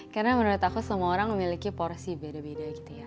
karena menurut aku semua orang memiliki porsi beda beda gitu ya